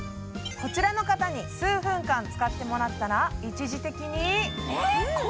こちらの方に数分間使ってもらったら一時的にえっ！？